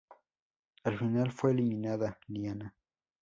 Al final, fue eliminada Liana.